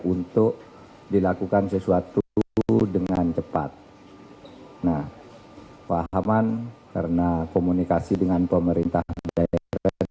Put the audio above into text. untuk dilakukan sesuatu dengan cepat nah pahaman karena komunikasi dengan pemerintah daerah